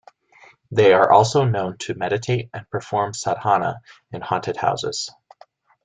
They are also known to meditate and perform sadhana in haunted houses.